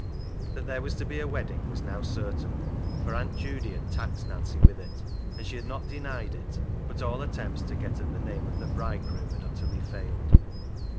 That there was to be a wedding was now certain, for Aunt Judy had taxed Nancy with it, and she had not denied it, but all attempts to get at the name of the bridegroom had utterly failed.